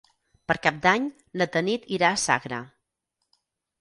Per Cap d'Any na Tanit irà a Sagra.